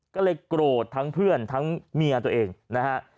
ก็เลยโกรธทั้งเพื่อนทั้งเมียตัวเองนะฮะ